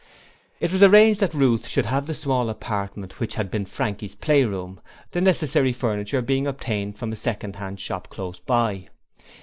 It was arranged that Ruth should have the small apartment which had been Frankie's playroom, the necessary furniture being obtained from a second hand shop close by.